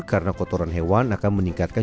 karena kotoran hewan akan meningkatkan